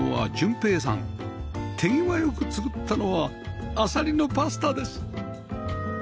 手際良く作ったのはアサリのパスタです